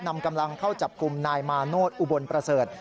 นำกำลังเข้าจับกลุ่มนายมาโนธอุบลประเสริฐ